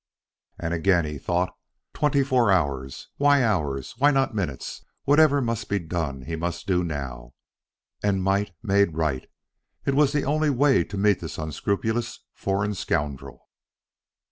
And again he thought: "Twenty four hours!... Why hours? Why not minutes?... Whatever must be done he must do now. And might made right: it was the only way to meet this unscrupulous foreign scoundrel."